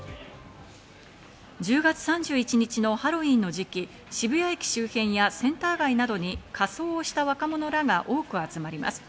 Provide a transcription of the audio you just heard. １０月３１日のハロウィーンの時期、渋谷駅周辺やセンター街などに仮装をした若者らが多く集まります。